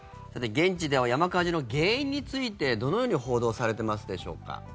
現地では山火事の原因についてどのように報道されてますでしょうか。